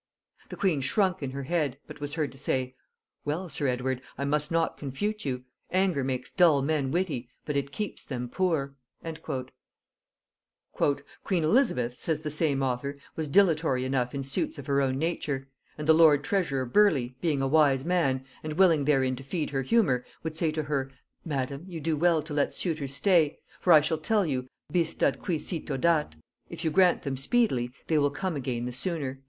The queen shrunk in her head, but was heard to say; 'Well, sir Edward, I must not confute you: Anger makes dull men witty, but it keeps them poor.'" "Queen Elizabeth," says the same author, "was dilatory enough in suits of her own nature; and the lord treasurer Burleigh, being a wise man, and willing therein to feed her humor, would say to her; 'Madam, you do well to let suitors stay; for I shall tell you, Bis dat qui cito dat; if you grant them speedily, they will come again the sooner.'"